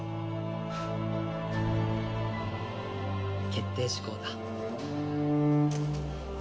決定事項だ。